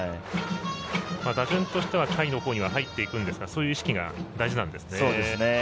打順としては下位のほうに入っていくんですがそういう意識が大事なんですね。